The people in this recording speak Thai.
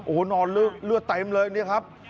โอ้โหนอนเลือดเต็มเลยเนี่ยครับ